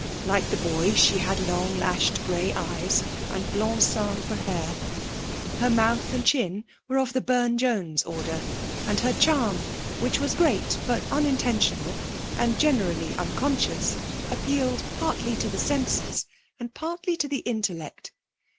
Like the boy, she had long lashed grey eyes, and blond cendre hair: her mouth and chin were of the Burne Jones order, and her charm, which was great but unintentional, and generally unconscious, appealed partly to the senses and partly to the intellect.